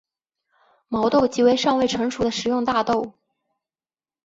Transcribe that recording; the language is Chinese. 毛豆即为尚未成熟的食用大豆。